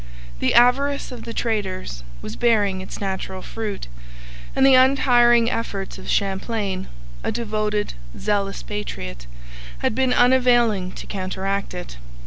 The avarice of the traders was bearing its natural fruit, and the untiring efforts of Champlain, a devoted, zealous patriot, had been unavailing to counteract it.